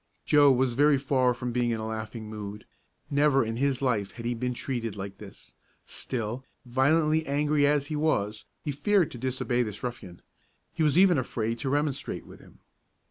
Joe was very far from being in a laughing mood. Never in his life had he been treated like this. Still, violently angry as he was, he feared to disobey this ruffian; he was even afraid to remonstrate with him.